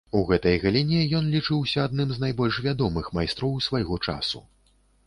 У гэтай галіне ён лічыўся адным з найбольш вядомых майстроў свайго часу.